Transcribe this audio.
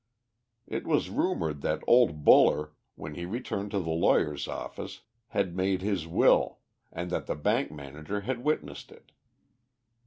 It was rumoured that old Buller, when he returned to the lawyer's office, had made his will, and that the bank manager had witnessed it.